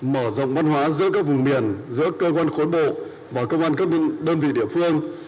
mở rộng văn hóa giữa các vùng miền giữa cơ quan khối bộ và công an các đơn vị địa phương